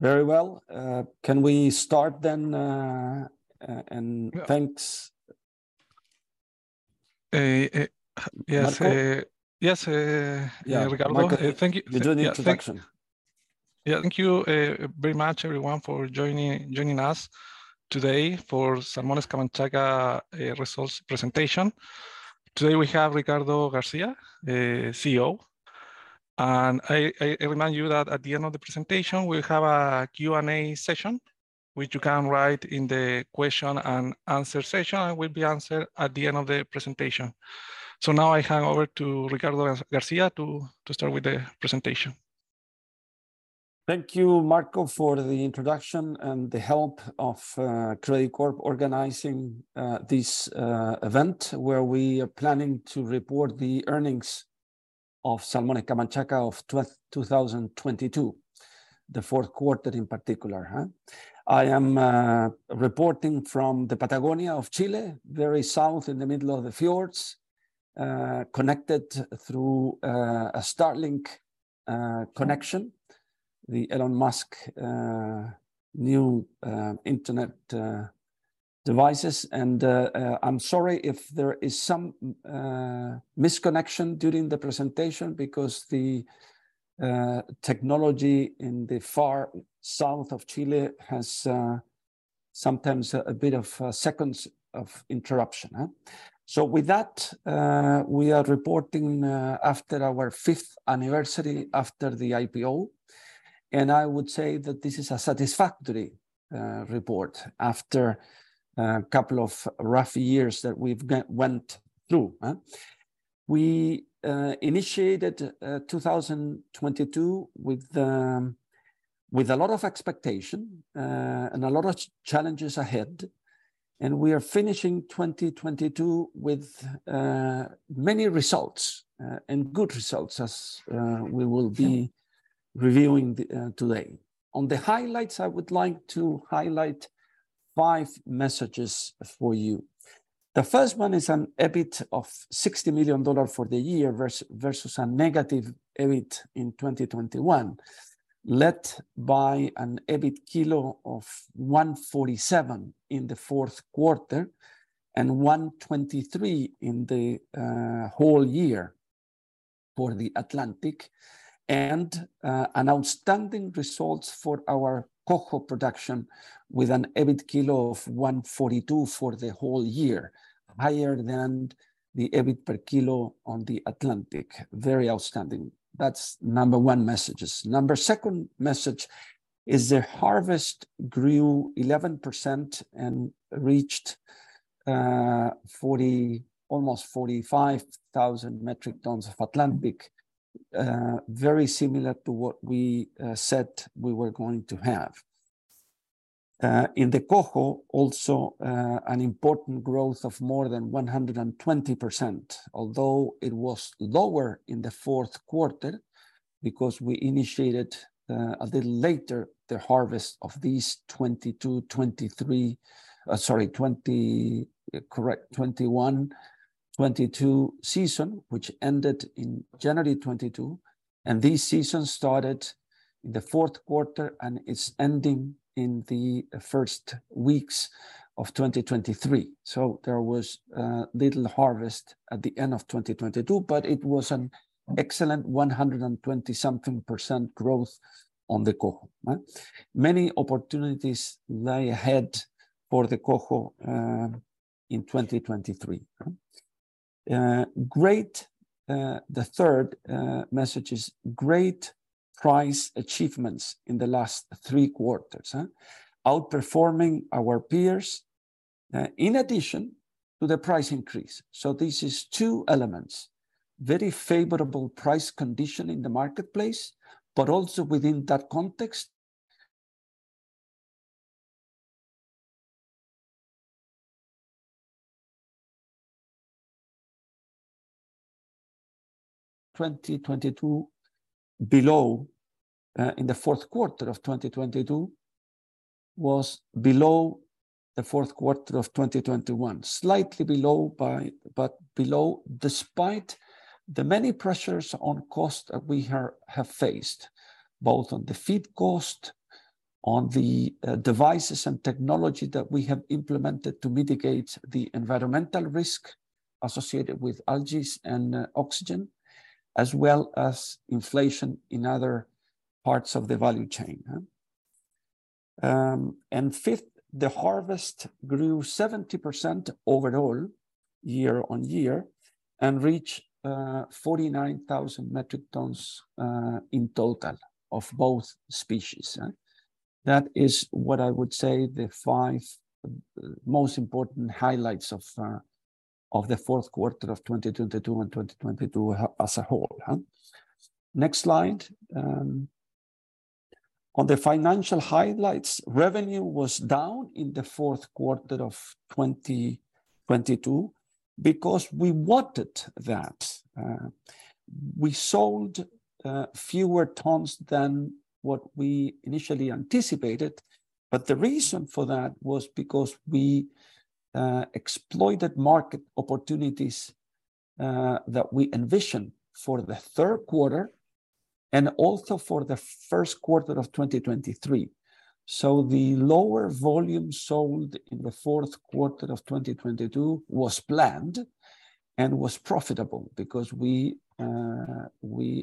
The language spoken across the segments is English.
Thank you very much everyone for joining us today for Salmones Camanchaca results presentation. Today, we have Ricardo García, CEO, I remind you that at the end of the presentation we'll have a Q&A session, which you can write in the question and answer session, and will be answered at the end of the presentation. Now I hand over to Ricardo García to start with the presentation. Thank you, Marco, for the introduction and the help of Credicorp organizing this event where we are planning to report the earnings of Salmones Camanchaca of 2022, the fourth quarter in particular, huh? I am reporting from the Patagonia of Chile, very south in the middle of the fjords, connected through a Starlink connection, the Elon Musk new internet devices. I'm sorry if there is some misconnection during the presentation because the technology in the far south of Chile has sometimes a bit of seconds of interruption, huh? With that, we are reporting after our fifth anniversary, after the IPO, and I would say that this is a satisfactory report after couple of rough years that we've went through, huh? We initiated 2022 with a lot of expectation and a lot of challenges ahead, and we are finishing 2022 with many results and good results as we will be reviewing today. On the highlights, I would like to highlight five messages for you. The first one is an EBIT of $60 million for the year versus a negative EBIT in 2021, led by an EBIT kilo of 147 in the fourth quarter and 123 in the whole year for the Atlantic, and an outstanding results for our Coho production with an EBIT kilo of 142 for the whole year, higher than the EBIT per kilo on the Atlantic. Very outstanding. That's number one message. Second message is the harvest grew 11% and reached 40, almost 45,000 metric tons of Atlantic, very similar to what we said we were going to have. In the Coho, also, an important growth of more than 120%, although it was lower in the fourth quarter because we initiated a little later the harvest of these 2022, 2023 sorry, correct, 2021, 2022, season, which ended in January 2022, and this season started the fourth quarter and it's ending in the first weeks of 2023. There was little harvest at the end of 2022, but it was an excellent 120-something percent growth on the Coho. Huh? Many opportunities lie ahead for the Coho in 2023. Huh? Great, the third message is great price achievements in the last three quarters, huh? Outperforming our peers, in addition to the price increase. This is two elements, very favorable price condition in the marketplace, but also within that context. 2022 below, in the fourth quarter of 2022 was below the fourth quarter of 2021. Slightly below, but below, despite the many pressures on cost that we have faced, both on the feed cost, on the devices and technology that we have implemented to mitigate the environmental risk associated with algae and oxygen, as well as inflation in other parts of the value chain. Fifth, the harvest grew 70% overall year-over-year, and reached 49,000 metric tons in total of both species. That is what I would say the five most important highlights of the fourth quarter of 2022 and 2022 as a whole. Next slide. On the financial highlights, revenue was down in the fourth quarter of 2022 because we wanted that. We sold fewer tons than what we initially anticipated, but the reason for that was because we exploited market opportunities that we envisioned for the third quarter and also for the first quarter of 2023. The lower volume sold in the fourth quarter of 2022 was planned and was profitable because we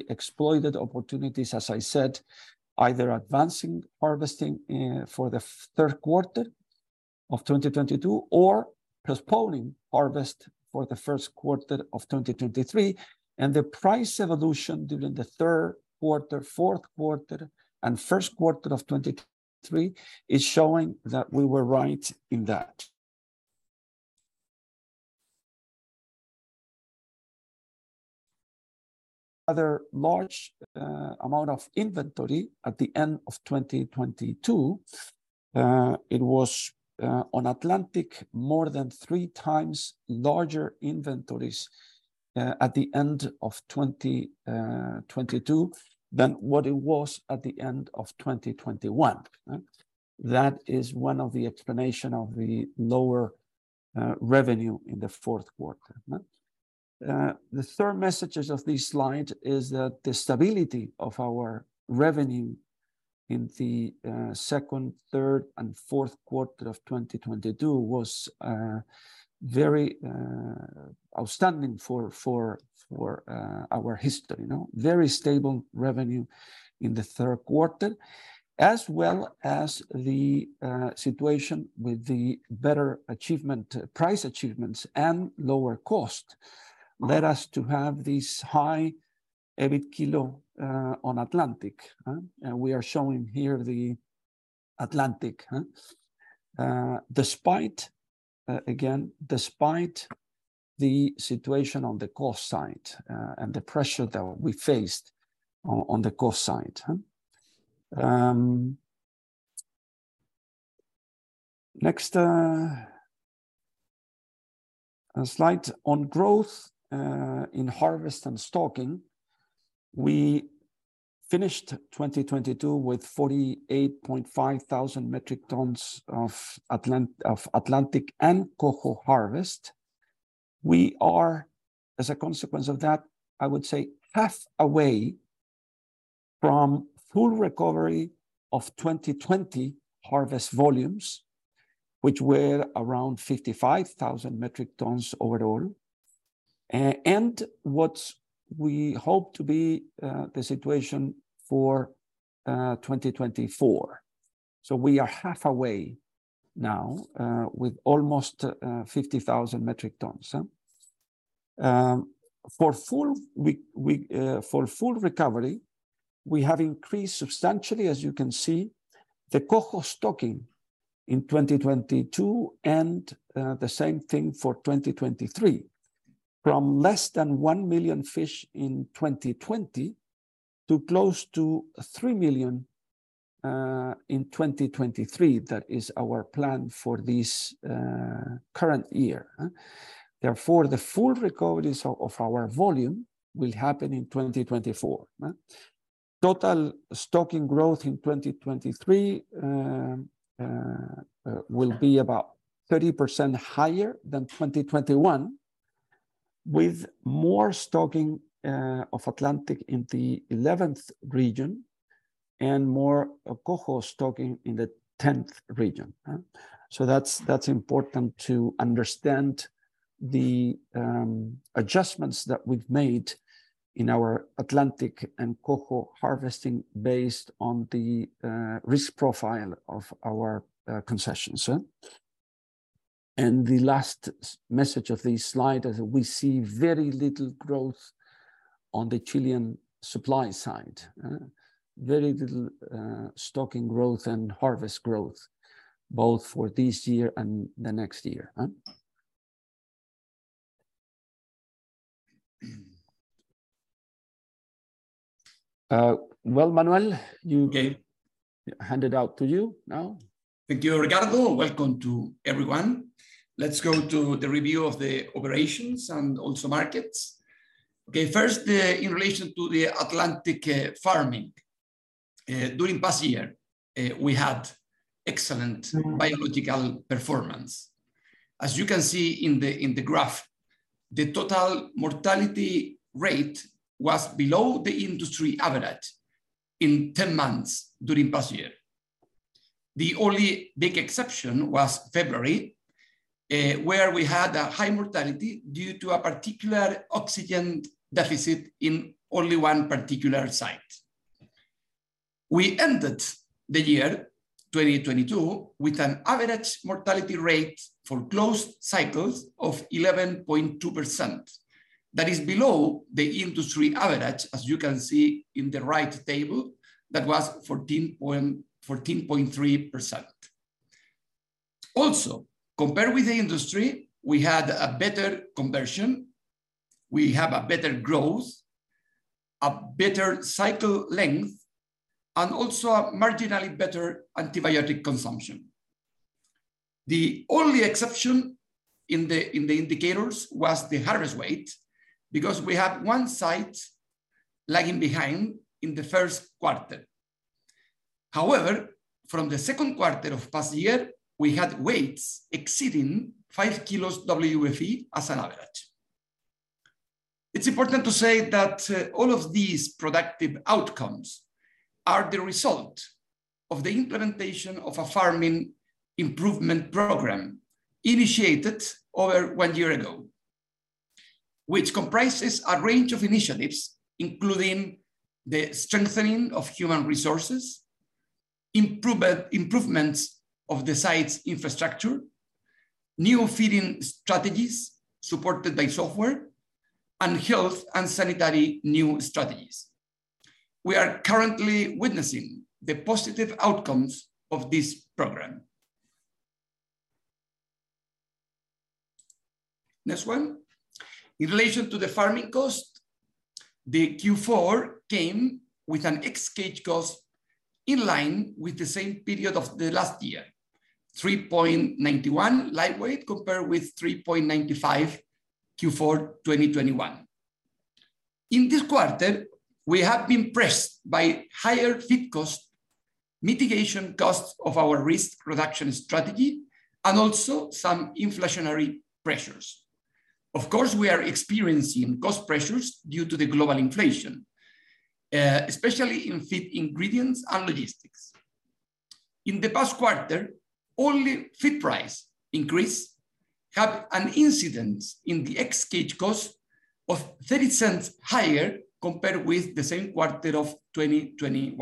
exploited opportunities, as I said, either advancing harvesting for the third quarter of 2022 or postponing harvest for the first quarter of 2023. The price evolution during the third quarter, fourth quarter, and first quarter of 2023 is showing that we were right in that. Other large amount of inventory at the end of 2022, it was on Atlantic more than three times larger inventories at the end of 2022 than what it was at the end of 2021. That is one of the explanation of the lower revenue in the fourth quarter. The third message of this slide is that the stability of our revenue in the second, third, and fourth quarter of 2022 was very outstanding for our history, you know. Very stable revenue in the third quarter, as well as the situation with the better achievement, price achievements and lower cost led us to have this high EBIT kilo on Atlantic. We are showing here the Atlantic. Despite, again, despite the situation on the cost side, and the pressure that we faced on the cost side, huh? Next slide. On growth, in harvest and stocking, we finished 2022 with 48.5 thousand metric tons of Atlantic and Coho harvest. We are, as a consequence of that, I would say half a way from full recovery of 2020 harvest volumes, which were around 55,000 metric tons overall, and what we hope to be the situation for 2024. We are half a way now, with almost 50,000 metric tons, huh? For full recovery, we have increased substantially, as you can see, the Coho stocking in 2022, the same thing for 2023, from less than 1 million fish in 2020 to close to 3 million in 2023. That is our plan for this current year, huh? The full recovery of our volume will happen in 2024, huh? Total stocking growth in 2023 will be about 30% higher than 2021, with more stocking of Atlantic in the 11th region and more Coho stocking in the 10th region, huh? That's important to understand the adjustments that we've made in our Atlantic and Coho harvesting based on the risk profile of our concessions, huh? The last message of this slide is we see very little growth on the Chilean supply side, huh? Very little, stocking growth and harvest growth, both for this year and the next year, huh? Well, Manuel? Okay. I'll hand it out to you now. Thank you, Ricardo. Welcome to everyone. Let's go to the review of the operations and also markets. Okay. First, in relation to the Atlantic farming. During past year, we had excellent biological performance. As you can see in the graph, the total mortality rate was below the industry average in 10 months during past year. The only big exception was February, where we had a high mortality due to a particular oxygen deficit in only one particular site. We ended the year 2022 with an average mortality rate for closed cycles of 11.2%. That is below the industry average, as you can see in the right table. That was 14.3%. Also, compared with the industry, we had a better conversion. We have a better growth, a better cycle length, and also a marginally better antibiotic consumption. The only exception in the, in the indicators was the harvest weight, because we had one site lagging behind in the first quarter. However, from the second quarter of past year, we had weights exceeding 5 kg WFE as an average. It's important to say that all of these productive outcomes are the result of the implementation of a farming improvement program initiated over one year ago, which comprises a range of initiatives, including the strengthening of human resources, improvements of the site's infrastructure, new feeding strategies supported by software, and health and sanitary new strategies. We are currently witnessing the positive outcomes of this program. Next one. In relation to the farming cost, the Q4 came with an ex-cage cost in line with the same period of the last year, $3.91 lightweight compared with $3.95 Q4 2021. In this quarter, we have been pressed by higher feed cost, mitigation costs of our risk reduction strategy, and also some inflationary pressures. Of course, we are experiencing cost pressures due to the global inflation, especially in feed ingredients and logistics. In the past quarter, only feed price increase have an incident in the ex-cage cost of $0.30 higher compared with the same quarter of 2021,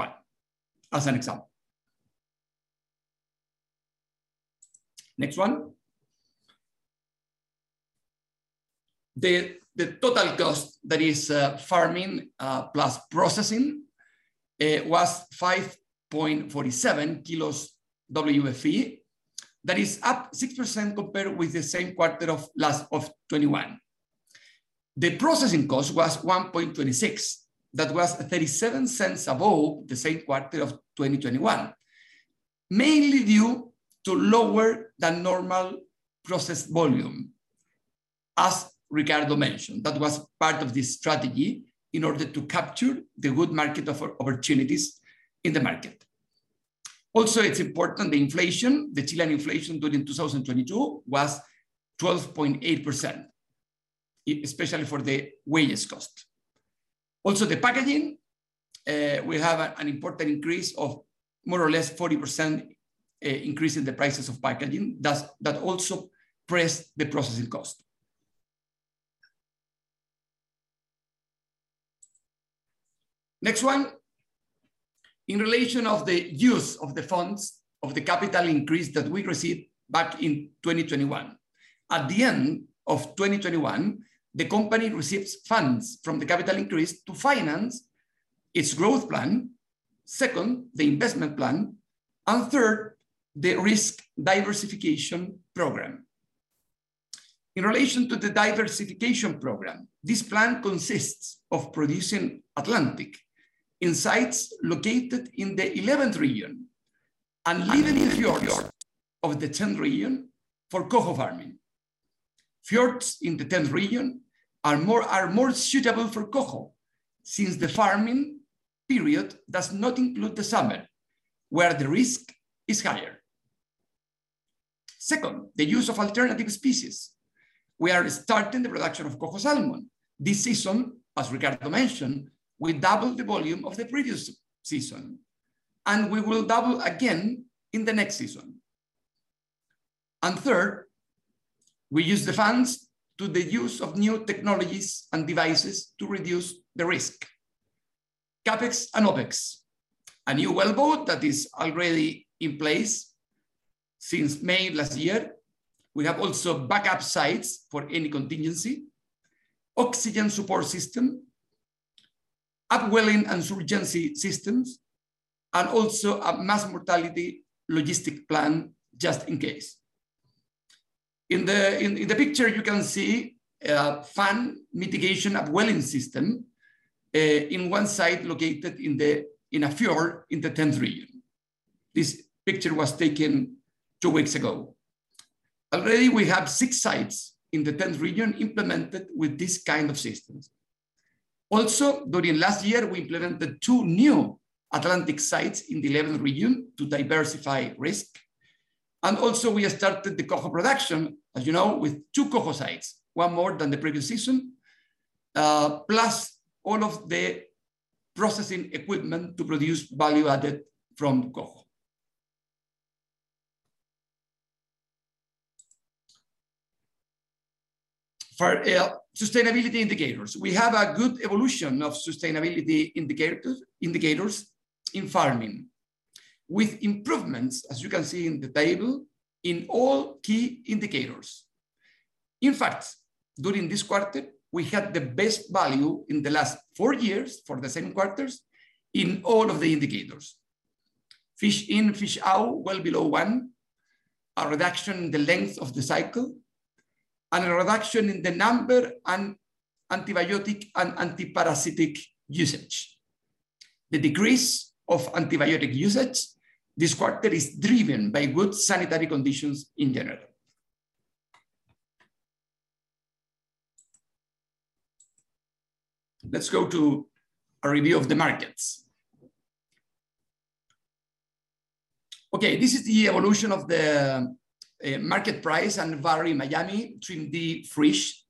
as an example. Next one. The total cost, that is, farming plus processing, was $5.47 kilos WFE. That is up 6% compared with the same quarter of last of 2021. The processing cost was $1.26. That was $0.37 above the same quarter of 2021, mainly due to lower than normal process volume, as Ricardo mentioned. That was part of the strategy in order to capture the good market opportunities in the market. It's important, the Chilean inflation during 2022 was 12.8%, especially for the wages cost. The packaging, we have an important increase of more or less 40% in the prices of packaging. That also pressed the processing cost. Next one. In relation of the use of the funds of the capital increase that we received back in 2021. At the end of 2021, the company receives funds from the capital increase to finance its growth plan, second, the investment plan, and third, the risk diversification program. In relation to the diversification program, this plan consists of producing Atlantic in sites located in the 11th region and leaving the fjords of the 10th region for Coho farming. Fjords in the 10th region are more suitable for Coho, since the farming period does not include the summer, where the risk is higher. Second, the use of alternative species. We are starting the production of Coho salmon. This season, as Ricardo mentioned, we doubled the volume of the previous season, and we will double again in the next season. Third, we use the funds to the use of new technologies and devices to reduce the risk. CapEx and OpEx. A new wellboat that is already in place since May of last year. We have also backup sites for any contingency, oxygen support system, upwelling and surgency systems, and also a mass mortality logistic plan just in case. In the picture, you can see a fan mitigation upwelling system in one site located in a fjord in the 10th region. This picture was taken two weeks ago. Already we have six sites in the 10th region implemented with this kind of systems. Also, during last year, we implemented two new Atlantic sites in the 11th region to diversify risk, and also we have started the Coho production, as you know, with two Coho sites, one more than the previous season, plus all of the processing equipment to produce value added from Coho. For sustainability indicators, we have a good evolution of sustainability indicators in farming, with improvements, as you can see in the table, in all key indicators. In fact, during this quarter, we had the best value in the last four years for the second quarters in all of the indicators. Fish-In-Fish-Out, well below one, a reduction in the length of the cycle, and a reduction in the number and antibiotic and antiparasitic usage. The decrease of antibiotic usage this quarter is driven by good sanitary conditions in general. Let's go to a review of the markets. Okay, this is the evolution of the market price and Urner Barry Miami between the fresh.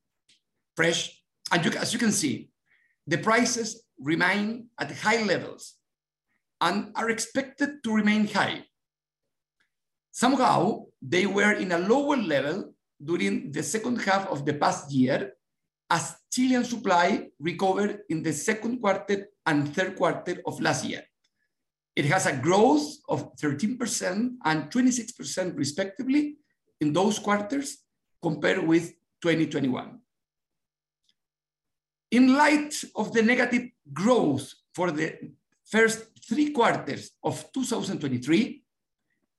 As you can see, the prices remain at high levels and are expected to remain high. Somehow they were in a lower level during the second half of the past year as Chilean supply recovered in the second quarter and third quarter of last year. It has a growth of 13% and 26% respectively in those quarters compared with 2021. In light of the negative growth for the first three quarters of 2023,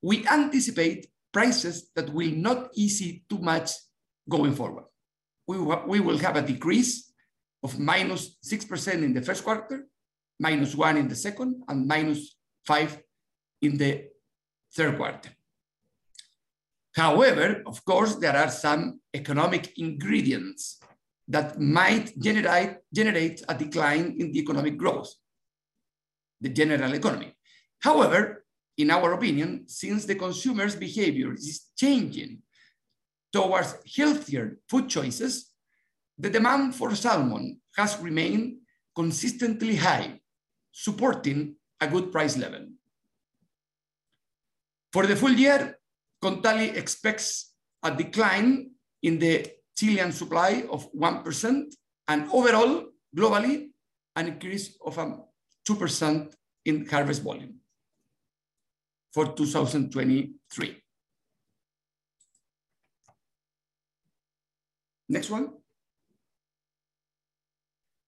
we anticipate prices that will not ease too much going forward. We will have a decrease of -6% in the first quarter, -1% in the second, and -5% in the third quarter. Of course, there are some economic ingredients that might generate a decline in the economic growth, the general economy. In our opinion, since the consumer's behavior is changing towards healthier food choices, the demand for salmon has remained consistently high, supporting a good price level. For the full year, Kontali expects a decline in the Chilean supply of 1%, and overall, globally, an increase of 2% in harvest volume for 2023. Next one.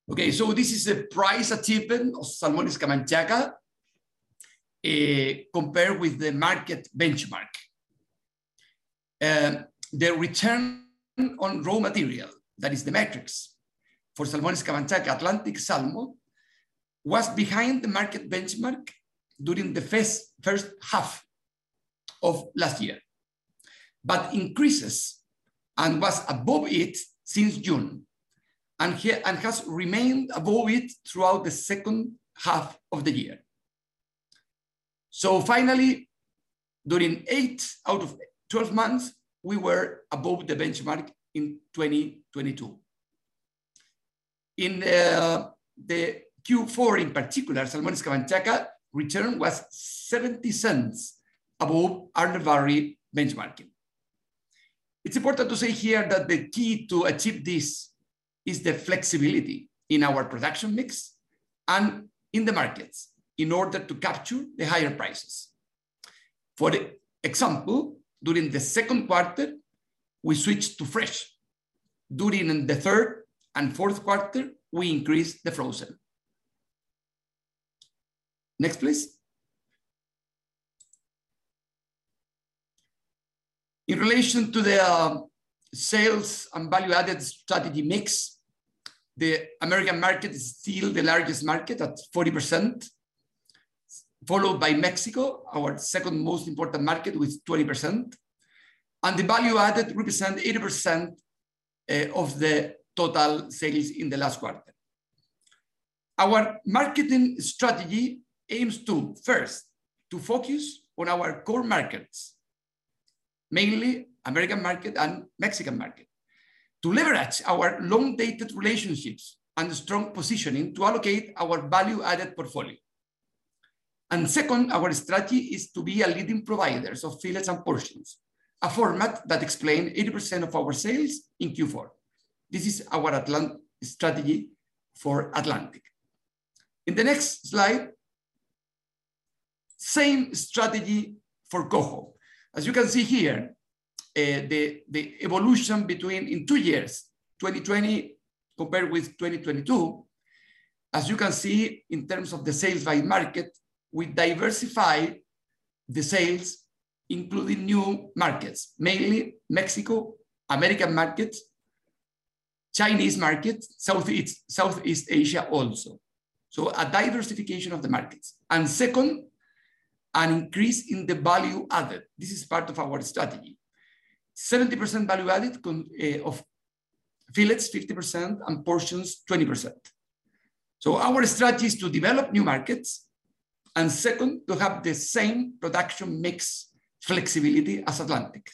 Okay. This is the price achievement of Salmones Camanchaca compared with the market benchmark. The return on raw material, that is the metrics for Salmones Camanchaca Atlantic salmon, was behind the market benchmark during the first half of last year, but increases and was above it since June, and has remained above it throughout the second half of the year. Finally, during eight out of 12 months, we were above the benchmark in 2022. In the Q4 in particular, Salmones Camanchaca return was $0.70 above Urner Barry benchmarking. It's important to say here that the key to achieve this is the flexibility in our production mix and in the markets in order to capture the higher prices. For the example, during the second quarter, we switched to fresh. During the third and fourth quarter, we increased the frozen. Next, please. In relation to the sales and value-added strategy mix, the American market is still the largest market at 40%, followed by Mexico, our second most important market with 20%. The value added represent 80% of the total sales in the last quarter. Our marketing strategy aims to, first, to focus on our core markets, mainly American market and Mexican market, to leverage our long-dated relationships and strong positioning to allocate our value-added portfolio. Second, our strategy is to be a leading provider of fillets and portions, a format that explained 80% of our sales in Q4. This is our Atlantic strategy for Atlantic. In the next slide, same strategy for Coho. As you can see here, the evolution between in two years, 2020 compared with 2022, as you can see in terms of the sales by market, we diversify the sales, including new markets, mainly Mexico, American markets, Chinese markets, Southeast Asia also. A diversification of the markets. Second, an increase in the value added. This is part of our strategy. 70% value added of fillets, 50%, and portions, 20%. Our strategy is to develop new markets, and second, to have the same production mix flexibility as Atlantic,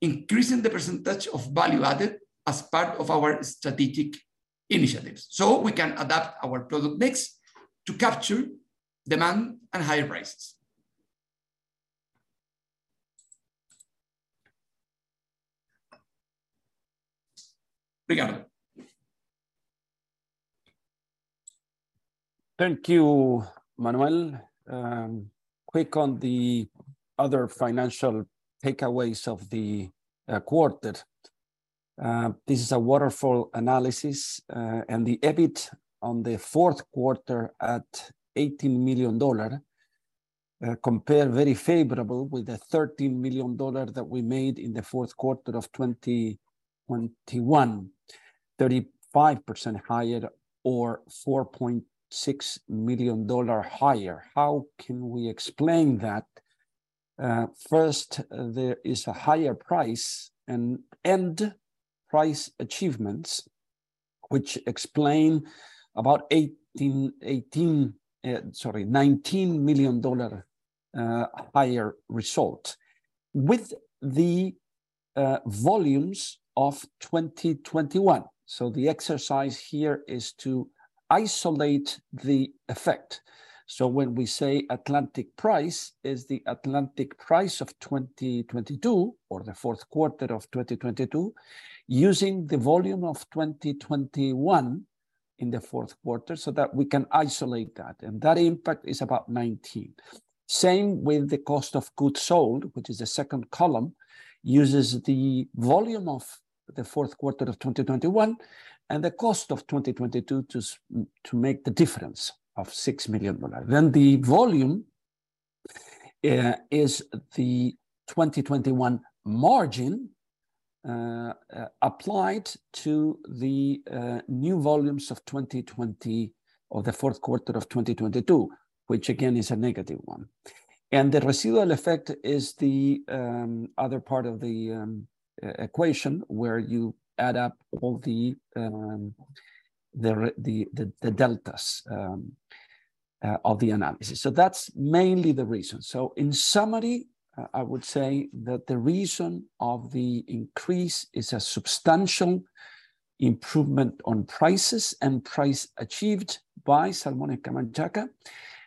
increasing the percentage of value added as part of our strategic initiatives, so we can adapt our product mix to capture demand and higher prices. Ricardo. Thank you, Manuel. Quick on the other financial takeaways of the quarter. This is a waterfall analysis. The EBIT on the fourth quarter at $80 million compare very favorable with the $13 million that we made in the fourth quarter of 2021, 35% higher or $4.6 million higher. How can we explain that? First, there is a higher price and end price achievements which explain about, sorry, $19 million higher result with the volumes of 2021. The exercise here is to isolate the effect. When we say Atlantic price is the Atlantic price of 2022, or the fourth quarter of 2022, using the volume of 2021 in the fourth quarter so that we can isolate that, and that impact is about $19 million. Same with the cost of goods sold, which is the second column, uses the volume of the fourth quarter of 2021 and the cost of 2022 to make the difference of $6 million. The volume is the 2021 margin applied to the new volumes of 2020 or the fourth quarter of 2022, which again is a -1. The residual effect is the other part of the equation where you add up all the deltas of the analysis. That's mainly the reason. In summary, I would say that the reason of the increase is a substantial improvement on prices and price achieved by Salmones Camanchaca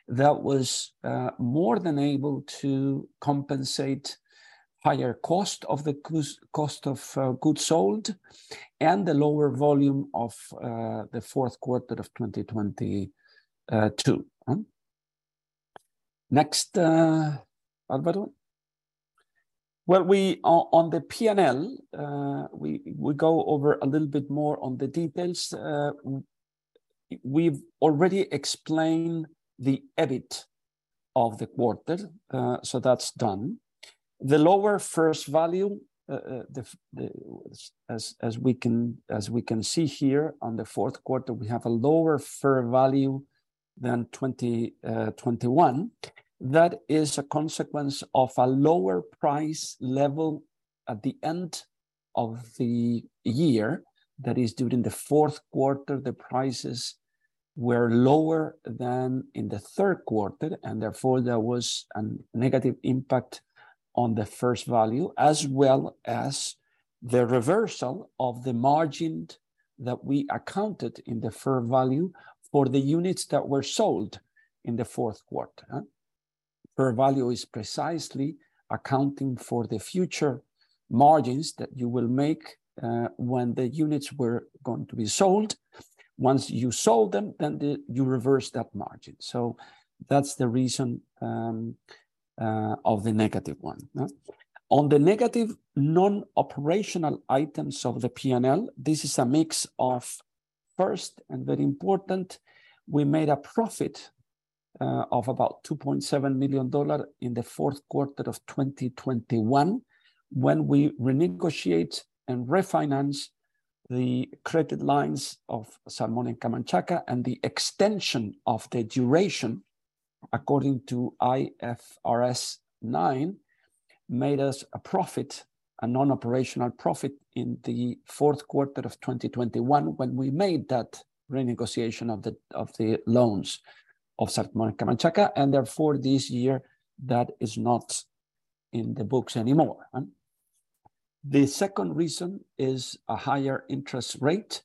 that was more than able to compensate higher cost of goods sold and the lower volume of the fourth quarter of 2022. Next, Alvaro. Well, we on the P&L, we go over a little bit more on the details. We've already explained the EBIT of the quarter, so that's done. The lower fair value, as we can see here on the fourth quarter, we have a lower fair value than 2021. That is a consequence of a lower price level at the end of the year. That is, during the fourth quarter, the prices were lower than in the third quarter. Therefore, there was a negative impact on the fair value, as well as the reversal of the margin that we accounted in the fair value for the units that were sold in the fourth quarter. Fair value is precisely accounting for the future margins that you will make when the units were going to be sold. Once you sold them, then you reverse that margin. That's the reason of the -1. On the negative non-operational items of the P&L, this is a mix of, first and very important, we made a profit of about $2.7 million in the fourth quarter of 2021 when we renegotiate and refinance the credit lines of Salmones Camanchaca, and the extension of the duration according to IFRS 9 made us a profit, a non-operational profit in the fourth quarter of 2021 when we made that renegotiation of the loans of Salmones Camanchaca. Therefore, this year, that is not in the books anymore. The second reason is a higher interest rate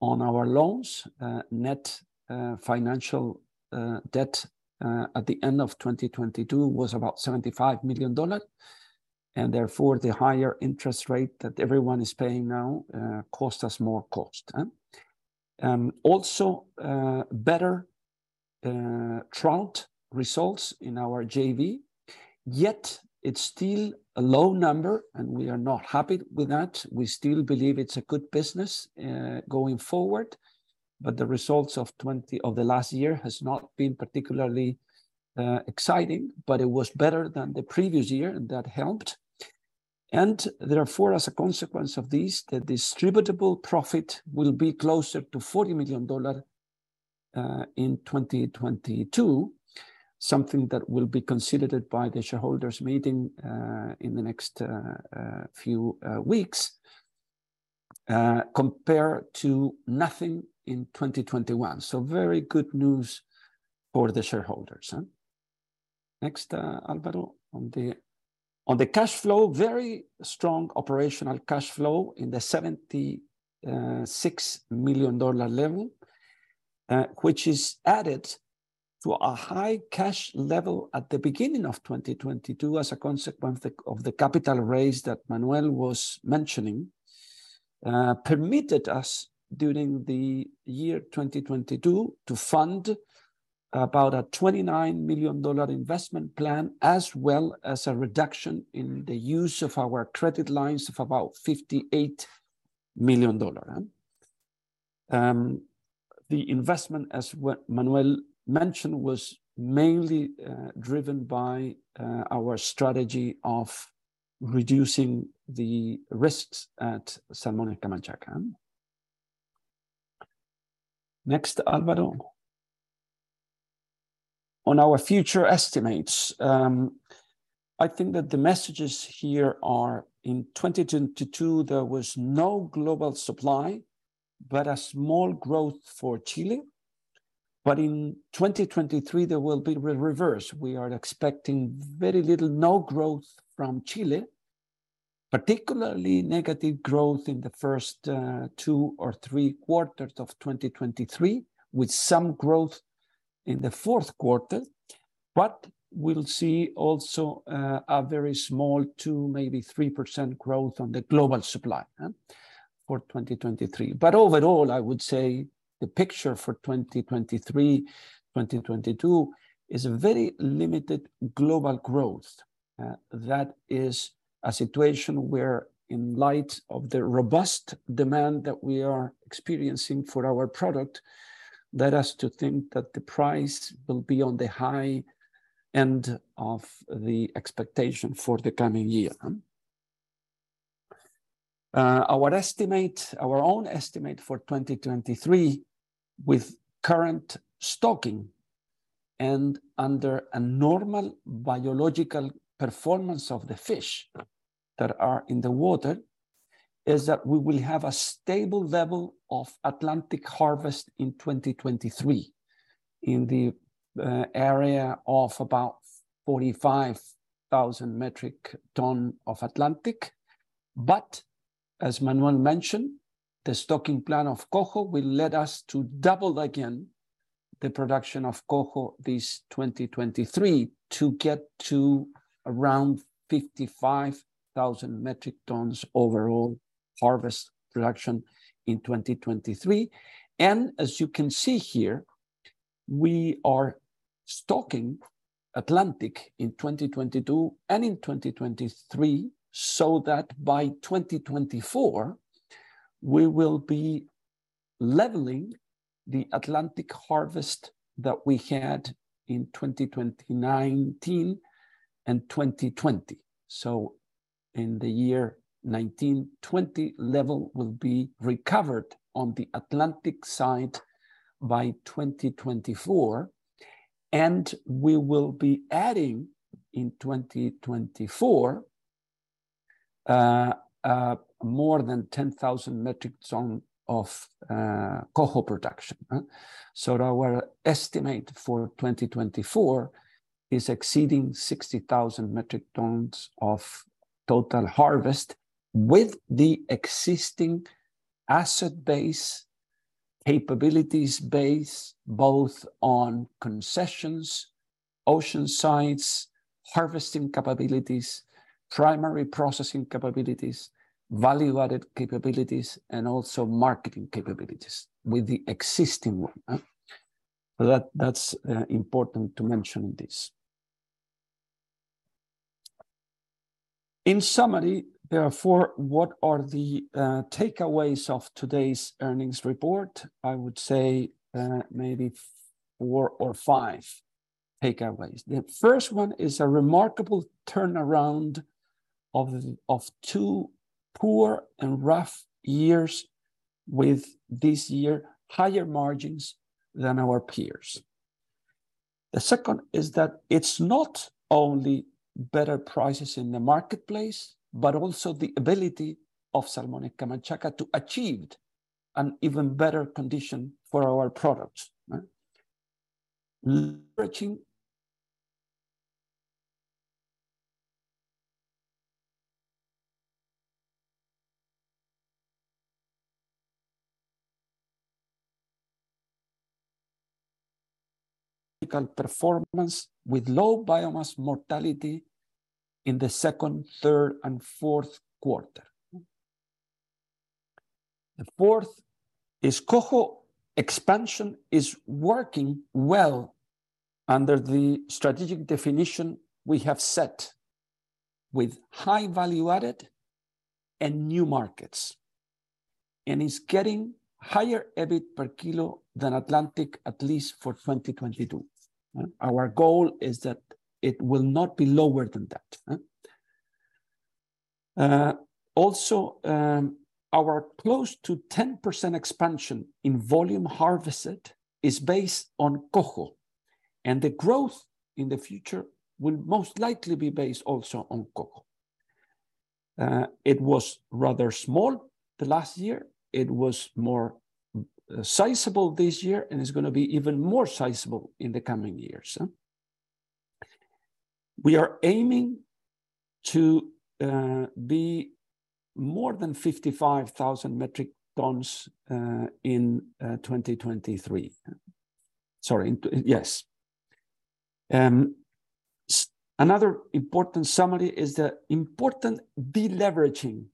on our loans. Net financial debt at the end of 2022 was about $75 million, therefore, the higher interest rate that everyone is paying now, cost us more cost. Also, better trout results in our JV, yet it's still a low number, and we are not happy with that. We still believe it's a good business going forward, but the results of the last year has not been particularly exciting, but it was better than the previous year, and that helped. Therefore, as a consequence of this, the distributable profit will be closer to $40 million in 2022, something that will be considered by the shareholders meeting in the next few weeks, compared to nothing in 2021. Very good news for the shareholders. Next, Alvaro. On the cash flow, very strong operational cash flow in the $76 million level, which is added to a high cash level at the beginning of 2022 as a consequence of the capital raise that Manuel was mentioning, permitted us during the year 2022 to fund about a $29 million investment plan, as well as a reduction in the use of our credit lines of about $58 million. The investment, as Manuel mentioned, was mainly driven by our strategy of reducing the risks at Salmones Camanchaca. Next, Alvaro. On our future estimates, I think that the messages here are in 2022, there was no global supply, but a small growth for Chile. In 2023, there will be re-reverse. We are expecting very little, no growth from Chile, particularly negative growth in the first two or three quarters of 2023, with some growth in the fourth quarter. We'll see also a very small 2%, maybe 3% growth on the global supply, huh, for 2023. Overall, I would say the picture for 2023, 2022 is a very limited global growth. That is a situation where in light of the robust demand that we are experiencing for our product, lead us to think that the price will be on the high end of the expectation for the coming year. Our estimate, our own estimate for 2023 with current stocking and under a normal biological performance of the fish that are in the water, is that we will have a stable level of Atlantic harvest in 2023 in the area of about 45,000 metric ton of Atlantic. As Manuel mentioned, the stocking plan of Coho will lead us to double again the production of Coho this 2023 to get to around 55,000 metric tons overall harvest production in 2023. As you can see here, we are stocking Atlantic in 2022 and in 2023, so that by 2024, we will be leveling the Atlantic harvest that we had in 2019 and 2020. In the year 1920, level will be recovered on the Atlantic side by 2024. We will be adding in 2024 more than 10,000 metric tons of Coho production, huh? Our estimate for 2024 is exceeding 60,000 metric tons of total harvest with the existing asset base, capabilities base, both on concessions, ocean sites, harvesting capabilities, primary processing capabilities, value-added capabilities, and also marketing capabilities with the existing one, huh? That's important to mention this. In summary, therefore, what are the takeaways of today's earnings report? I would say maybe four or five takeaways. The first one is a remarkable turnaround of two poor and rough years with this year higher margins than our peers. The second is that it's not only better prices in the marketplace, but also the ability of Salmones Camanchaca to achieve an even better condition for our products, right? Leveraging performance with low biomass mortality in the second, third, and fourth quarter. The fourth is Coho expansion is working well under the strategic definition we have set with high value added and new markets, and is getting higher EBIT per kilo than Atlantic, at least for 2022. Our goal is that it will not be lower than that, huh? Also, our close to 10% expansion in volume harvested is based on Coho, and the growth in the future will most likely be based also on Coho. It was rather small the last year. It was more sizeable this year, and it's gonna be even more sizeable in the coming years, huh? We are aiming to be more than 55,000 metric tons in 2023. Sorry. Yes. Another important summary is the important deleveraging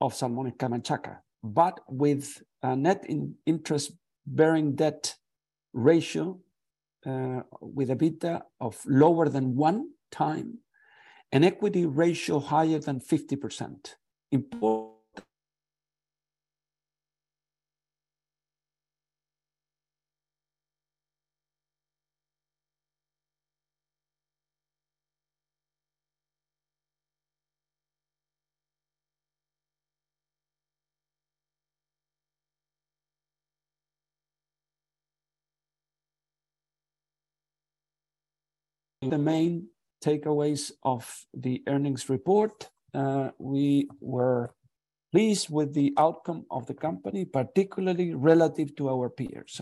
of Salmones Camanchaca, but with a net in-interest-bearing debt ratio with EBITDA of lower than 1x, an equity ratio higher than 50%. Important. The main takeaways of the earnings report, we were pleased with the outcome of the company, particularly relative to our peers.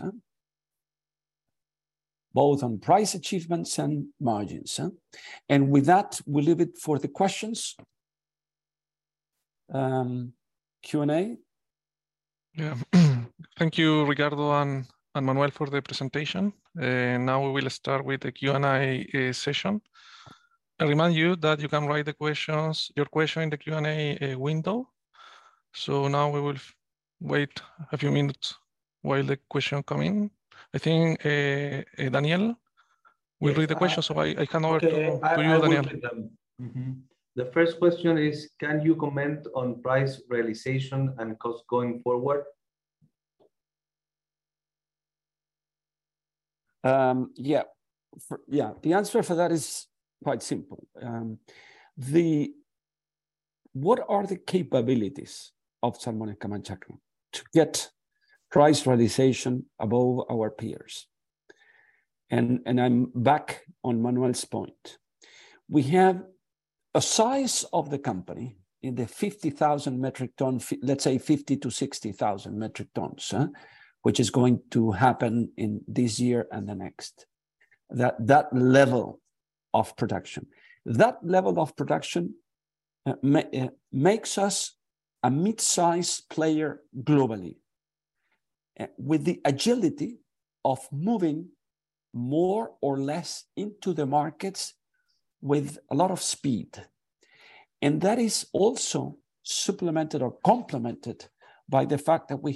Both on price achievements and margins. With that, we leave it for the questions, Q&A. Yeah. Thank you, Ricardo and Manuel for the presentation. Now we will start with the Q&A session. I remind you that you can write the questions, your question in the Q&A window. Now we will wait a few minutes while the question come in. I think Daniel will read the question, I can over to you, Daniel. Okay. I will read them. Mm-hmm. The first question is, can you comment on price realization and cost going forward? Yeah, the answer for that is quite simple. What are the capabilities of Salmones Camanchaca to get price realization above our peers? I'm back on Manuel's point. We have a size of the company in the 50,000 metric ton, let's say 50,000-60,000 metric tons, huh? Which is going to happen in this year and the next. That level of production. That level of production makes us a mid-size player globally, with the agility of moving more or less into the markets with a lot of speed. That is also supplemented or complemented by the fact that we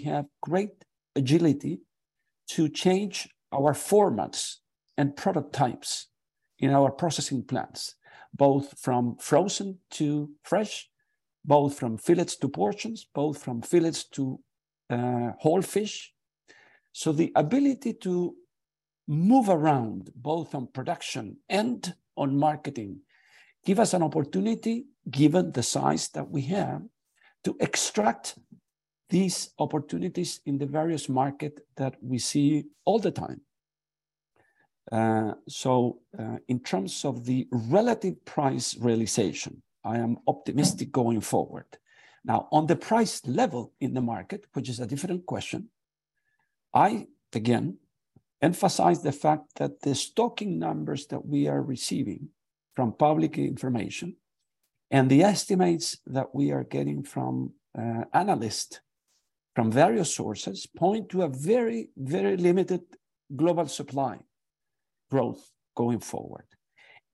have great agility to change our formats and product types in our processing plants, both from frozen to fresh, both from fillets to portions, both from fillets to, whole fish. The ability to move around, both on production and on marketing, give us an opportunity, given the size that we have, to extract these opportunities in the various market that we see all the time. In terms of the relative price realization, I am optimistic going forward. On the price level in the market, which is a different question, I, again, emphasize the fact that the stocking numbers that we are receiving from public information and the estimates that we are getting from analysts from various sources point to a very, very limited global supply growth going forward.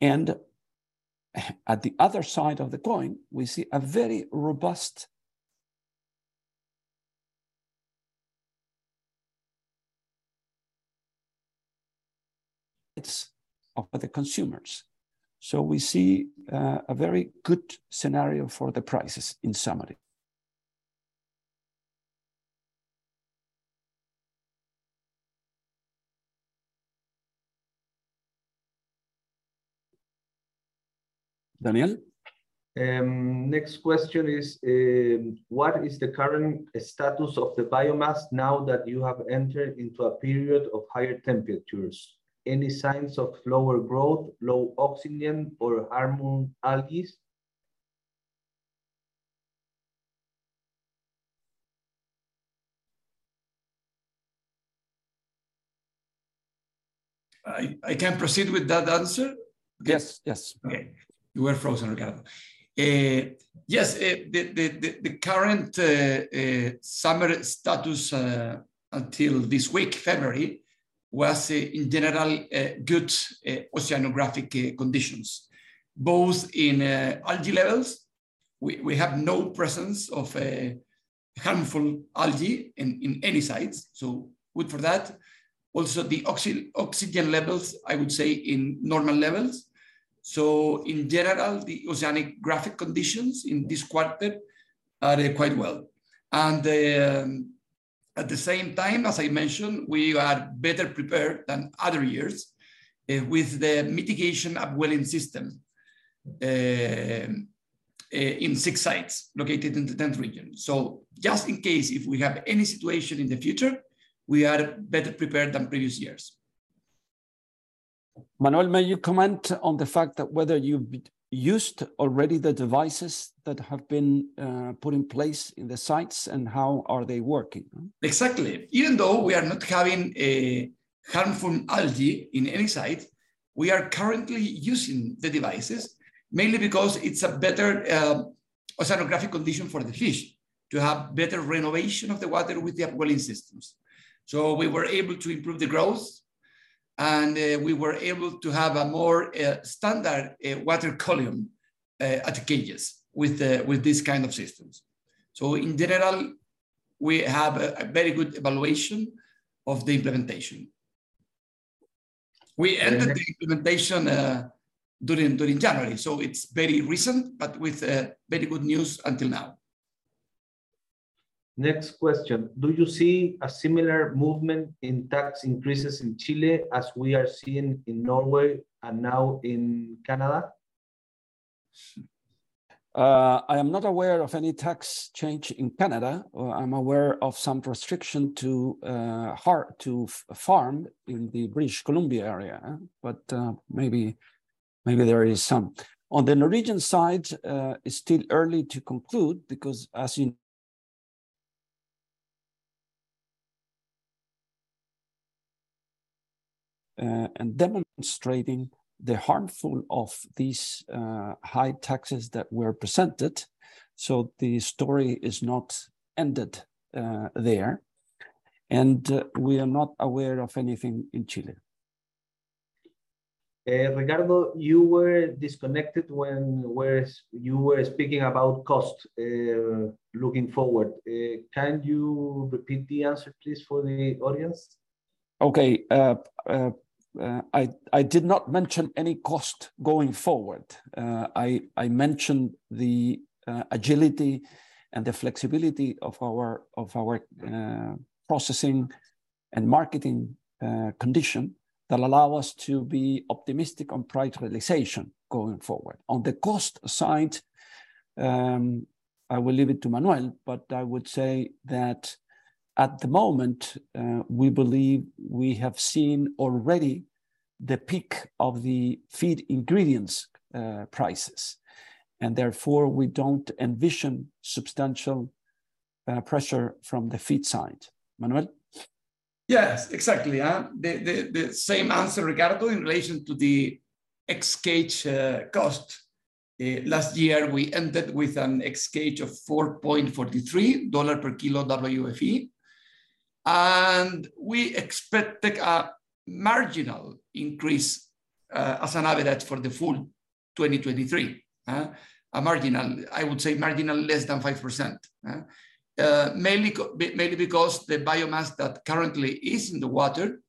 At the other side of the coin, we see a very robust... It's of the consumers. We see a very good scenario for the prices in summary. Daniel? Next question is, what is the current status of the biomass now that you have entered into a period of higher temperatures? Any signs of lower growth, low oxygen, or harmful algae? I can proceed with that answer? Yes, yes. Okay. You were frozen, Ricardo. Yes, the current summer status until this week, February, was in general good oceanographic conditions, both in algae levels, we have no presence of a harmful algae in any sites, so good for that. Also, the oxygen levels, I would say, in normal levels. In general, the oceanographic conditions in this quarter are quite well. At the same time, as I mentioned, we are better prepared than other years with the mitigation upwelling system in six sites located in the 10th region. Just in case if we have any situation in the future, we are better prepared than previous years. Manuel, may you comment on the fact that whether you've used already the devices that have been put in place in the sites, and how are they working, huh? Exactly. Even though we are not having a harmful algae in any site, we are currently using the devices, mainly because it's a better oceanographic condition for the fish to have better renovation of the water with the upwelling systems. We were able to improve the growth, we were able to have a more standard water column at cages with these kind of systems. In general, we have a very good evaluation of the implementation. We ended the implementation during January, it's very recent, with very good news until now. Next question. Do you see a similar movement in tax increases in Chile as we are seeing in Norway and now in Canada? I am not aware of any tax change in Canada. I'm aware of some restriction to farm in the British Columbia area. Maybe there is some. On the Norwegian side, it's still early to conclude because as in... and demonstrating the harmful of these, high taxes that were presented, so the story is not ended there, and we are not aware of anything in Chile. Ricardo, you were disconnected when you were speaking about cost looking forward. Can you repeat the answer please for the audience? Okay, I did not mention any cost going forward. I mentioned the agility and the flexibility of our processing and marketing condition that allow us to be optimistic on price realization going forward. On the cost side, I will leave it to Manuel, but I would say that at the moment, we believe we have seen already the peak of the feed ingredients prices, and therefore we don't envision substantial pressure from the feed side. Manuel? Yes, exactly. The same answer regarding in relation to the ex-cage cost. Last year we ended with an ex-cage of $4.43 per kilo WFE, and we expect a marginal increase as an average for the full 2023. I would say marginal less than 5%, mainly because the biomass that currently is in the water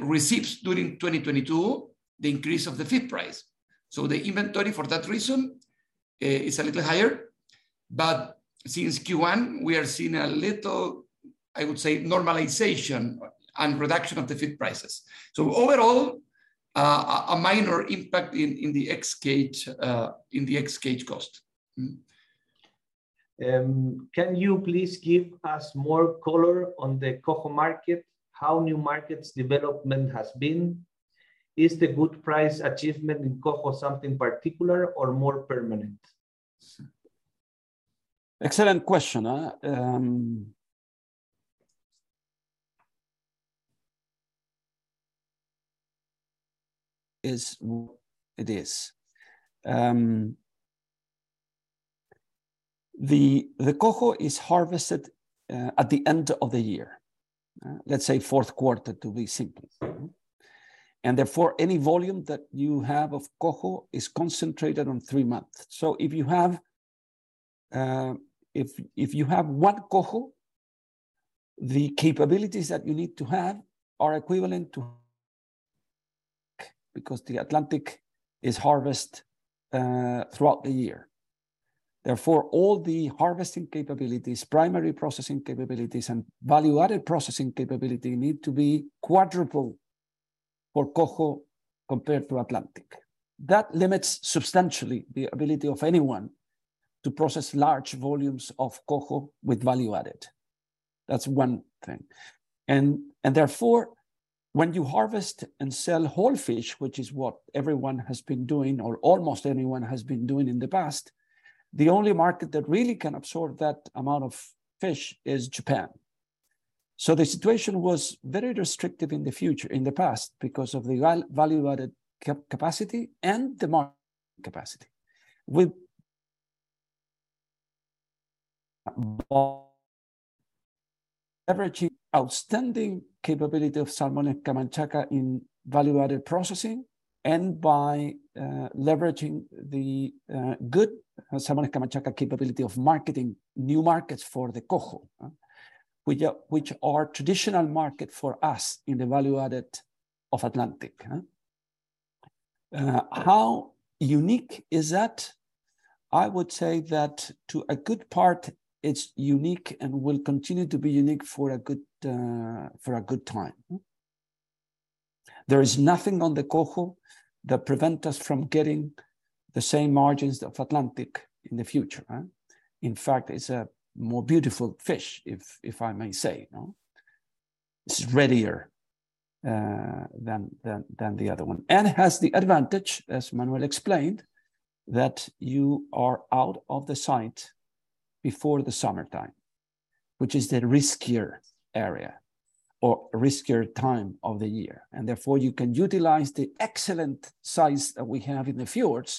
receives during 2022 the increase of the feed price. The inventory for that reason is a little higher. Since Q1, we are seeing a little, I would say, normalization and reduction of the feed prices. Overall, a minor impact in the ex-cage cost. Can you please give us more color on the Coho market, how new markets development has been? Is the good price achievement in Coho something particular or more permanent? Excellent question. It is. The Coho is harvested at the end of the year. Let's say fourth quarter to be simple. Therefore, any volume that you have of Coho is concentrated on three months. If you have, if you have one Coho, the capabilities that you need to have are equivalent to because the Atlantic is harvest throughout the year. Therefore, all the harvesting capabilities, primary processing capabilities, and value-added processing capability need to be quadruple for Coho compared to Atlantic. That limits substantially the ability of anyone to process large volumes of Coho with value added. That's one thing. Therefore, when you harvest and sell whole fish, which is what everyone has been doing, or almost anyone has been doing in the past, the only market that really can absorb that amount of fish is Japan. The situation was very restrictive in the past because of the value added capacity and demand capacity. With leveraging outstanding capability of Salmones Camanchaca in value-added processing and by leveraging the good Salmones Camanchaca capability of marketing new markets for the Coho, which are traditional market for us in the value added of Atlantic, how unique is that? I would say that to a good part, it's unique and will continue to be unique for a good, for a good time. There is nothing on the Coho that prevent us from getting the same margins of Atlantic in the future. In fact, it's a more beautiful fish if I may say, you know. It's readier than the other one, and has the advantage, as Manuel explained, that you are out of the site before the summertime, which is the riskier area or riskier time of the year. Therefore, you can utilize the excellent sites that we have in the fjords,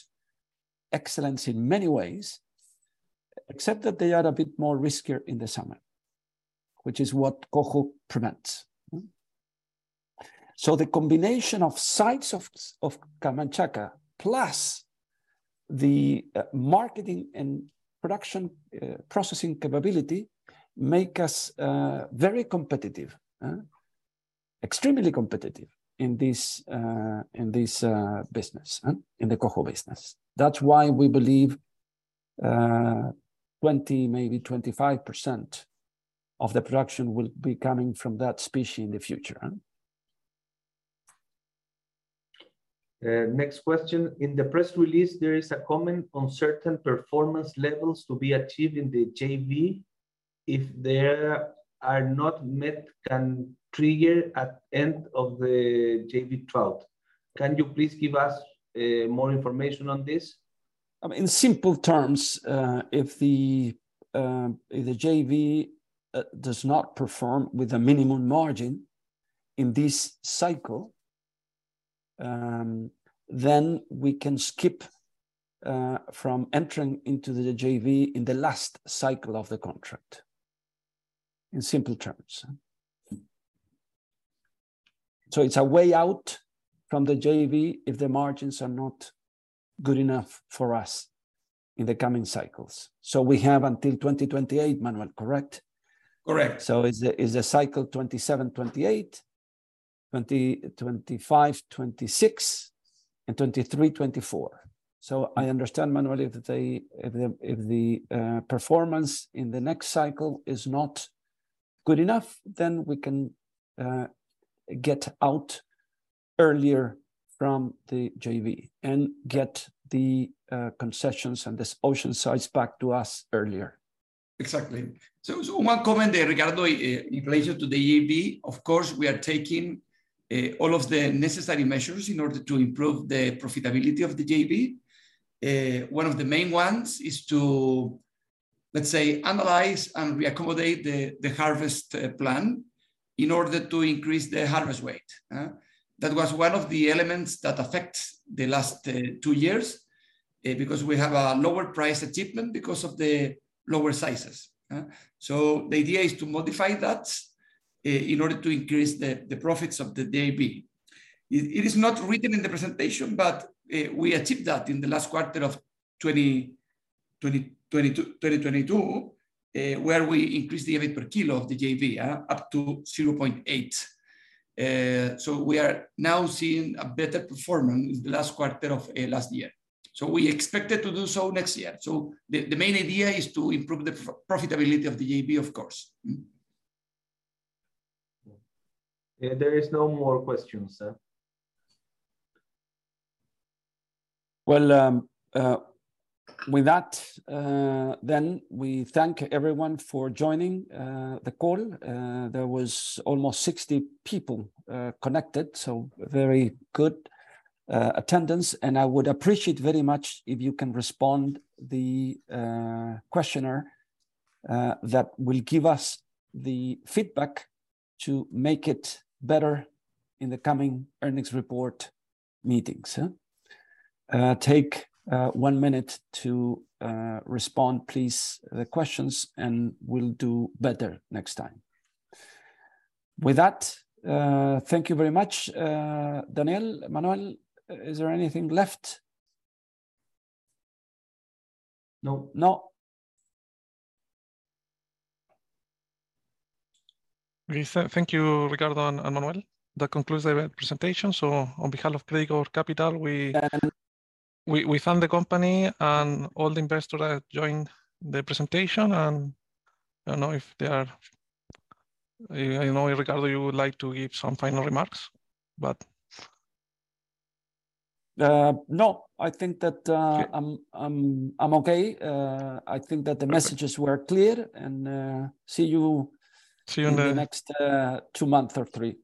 excellence in many ways, except that they are a bit more riskier in the summer, which is what Coho prevents. The combination of sites of Camanchaca, plus the marketing and production, processing capability make us very competitive. Extremely competitive in this, in this business, in the Coho business. That's why we believe, 20%, maybe 25% of the production will be coming from that species in the future, huh? Next question. In the press release, there is a comment on certain performance levels to be achieved in the JV. If they are not met, can trigger at end of the JV Trout. Can you please give us more information on this? In simple terms, if the, if the JV, does not perform with a minimum margin in this cycle, then we can skip, from entering into the JV in the last cycle of the contract, in simple terms. It's a way out from the JV if the margins are not good enough for us in the coming cycles. We have until 2028, Manuel, correct? Correct. It's a cycle 2027, 2028, 2025, 2026, and 2023, 2024. I understand, Manuel, if the performance in the next cycle is not good enough, then we can get out earlier from the JV and get the concessions and the ocean sites back to us earlier. Exactly. One comment there, Ricardo, in relation to the JV. Of course, we are taking all of the necessary measures in order to improve the profitability of the JV. One of the main ones is to, let's say, analyze and re-accommodate the harvest plan in order to increase the harvest weight, huh? That was one of the elements that affects the last two years because we have a lower price achievement because of the lower sizes, huh? The idea is to modify that in order to increase the profits of the JV. It is not written in the presentation, we achieved that in the last quarter of 2022, where we increased the EBIT per kilo of the JV, huh, up to $0.8. We are now seeing a better performance in the last quarter of last year. We expected to do so next year. The main idea is to improve the profitability of the JV, of course. Yeah, there is no more questions, sir. Well, with that, we thank everyone for joining the call. There was almost 60 people connected, so very good attendance. I would appreciate very much if you can respond the questionnaire that will give us the feedback to make it better in the coming earnings report meetings, huh? Take 1 minute to respond, please, the questions and we'll do better next time. With that, thank you very much. Daniel, Manuel, is there anything left? No. No. We thank you, Ricardo and Manuel. That concludes our presentation. On behalf of Credicorp Capital, we thank the company and all the investors that joined the presentation. I don't know if there are... I know, Ricardo, you would like to give some final remarks, but... No, I think that I'm okay. I think that the messages were clear. See you in the in the next, two months or three.